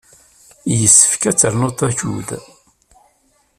Yessefk ad ternuḍ akud.